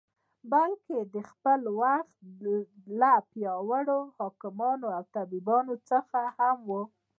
بلکې د خپل وخت له پیاوړو حکیمانو او طبیبانو څخه هم و.